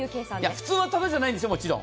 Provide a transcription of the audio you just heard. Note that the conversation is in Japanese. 普通はただじゃないんですよ、もちろん。